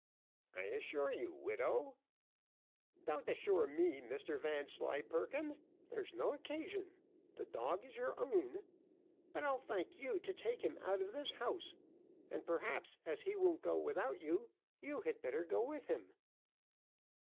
"I assure you, widow " "Don't assure me, Mr Vanslyperken, there's no occasion your dog is your own but I'll thank you to take him out of this house; and, perhaps, as he won't go without you, you had better go with him."